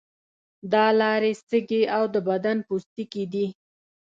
دا لارې سږی او د بدن پوستکی دي.